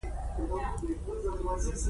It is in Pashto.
او کله د عادي عمر د برخې په توګه